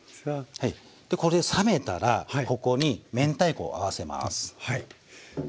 でこれ冷めたらここに明太子を合わせます。